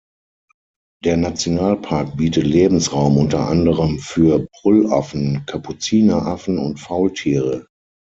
Der Nationalpark bietet Lebensraum unter anderem für Brüllaffen, Kapuzineraffen und Faultiere.